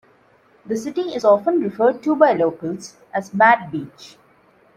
The city is often referred to by locals as Mad Beach.